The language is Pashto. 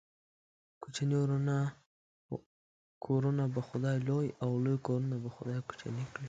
کوچني کورونه به خداى لوى ، او لوى کورونه به خداى کوچني کړي.